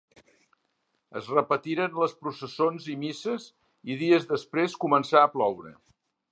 Es repetiren les processons i misses i dies després començà a ploure.